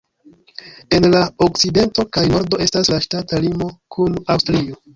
En la okcidento kaj nordo estas la ŝtata limo kun Aŭstrio.